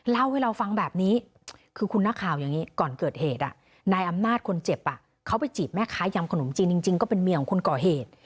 เล่าให้เราฟังแบบนี้คือคุณนักข่าวอย่างนี้ก่อนเกิดเหตุนายอำนาจคนเจ็บเขาไปจีบแม่ค้ายำขนมจีนจริงก็เป็นเมียของคนก่อเหตุ